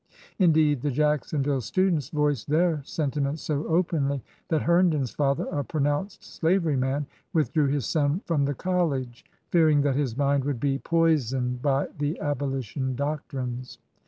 Indeed the Jacksonville students voiced their sentiments so openly that Herndon's father, a pronounced slavery man, withdrew his son from the college, fearing that his mind would be poi soned by the Abolition doctrines.